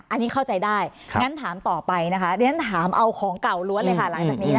อันนี้เข้าใจได้งั้นถามต่อไปนะคะเรียนถามเอาของเก่าล้วนเลยค่ะหลังจากนี้นะคะ